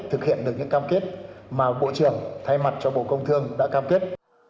thực hiện được những cam kết mà bộ trưởng thay mặt cho bộ công thương đã cam kết